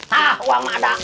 hah uang mada